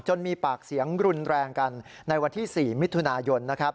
จนมีปากเสียงรุนแรงกันในวันที่๔มิถุนายน